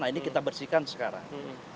nah ini kita bersihkan sekarang